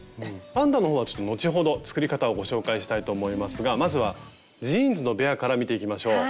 パンダのほうは後ほど作り方をご紹介したいと思いますがまずはジーンズのベアから見ていきましょう。